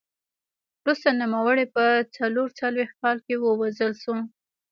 وروسته نوموړی په څلور څلوېښت کال کې ووژل شو